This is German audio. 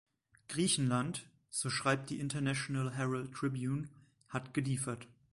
Griechenland, so schreibt die International Herald Tribune, hat geliefert.